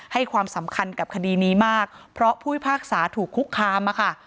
ให้ความสำคัญกับคดีนี้มากเพราะผู้พิพากษาถูกคุกคามอะค่ะ